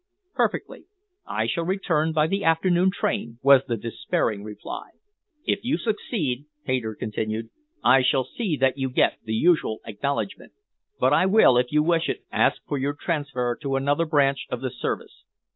"Perfectly. I shall return by the afternoon train," was the despairing reply. "If you succeed," Hayter continued, "I shall see that you get the usual acknowledgment, but I will, if you wish it, ask for your transfer to another branch of the service.